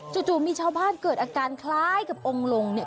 จู่มีชาวบ้านเกิดอาการคล้ายกับองค์ลงเนี่ย